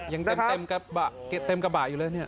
ยังเต็มกระบะอยู่เลยเนี่ย